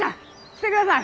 来てください！